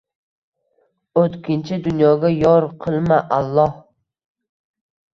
O‘tkinchi dunyoga yor qilma, Alloh.